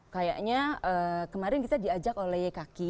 kayaknya kemarin kita diajak oleh ykki